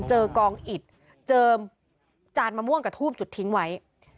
เจอกองอิดเจอจานมะม่วงกับทูบจุดทิ้งไว้